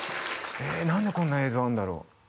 え何でこんな映像あんだろう？